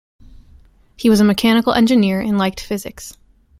He was a mechanical engineer and liked physics.